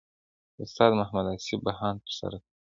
استاد محمد اصف بهاند ترسره کړی.